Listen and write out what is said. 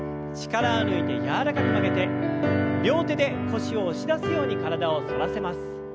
力を抜いて柔らかく曲げて両手で腰を押し出すように体を反らせます。